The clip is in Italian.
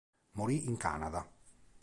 Morì in Canada.